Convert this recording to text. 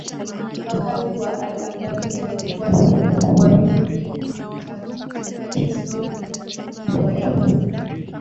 Wakazi wa Al-Andalus walikuwa wa vikundi vitatu: Wakristo, Waislamu na Wayahudi.